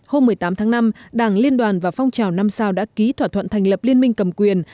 hôm một mươi tám tháng năm đảng liên đoàn và phong trào năm sao đã ký thỏa thuận thành lập liên minh cầm quyền